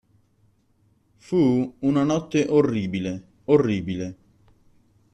Fu una notte orribile, orribile.